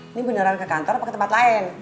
ini beneran ke kantor apa ke tempat lain